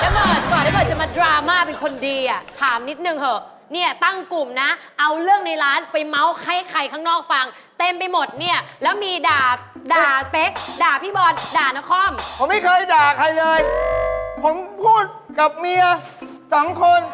เบิร์ดก่อนที่เบิร์ตจะมาดราม่าเป็นคนดีอ่ะถามนิดนึงเถอะเนี่ยตั้งกลุ่มนะเอาเรื่องในร้านไปเมาส์ให้ใครข้างนอกฟังเต็มไปหมดเนี่ยแล้วมีด่าด่าเต๊กด่าพี่บอลด่านครผมไม่เคยด่าใครเลยผมพูดกับเมียสองคน